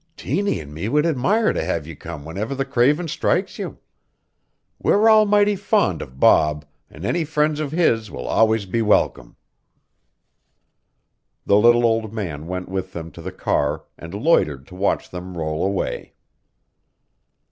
"Tiny an' me would admire to have you come whenever the cravin' strikes you. We're almighty fond of Bob, an' any friends of his will always be welcome." The little old man went with them to the car and loitered to watch them roll away.